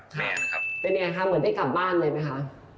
เป็นยังไงคะเหมือนได้กลับบ้านเลยไหมคะ